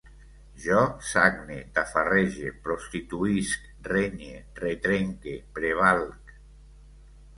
Jo sagne, tafarrege, prostituïsc, renye, retrenque, prevalc